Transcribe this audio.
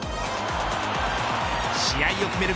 試合を決める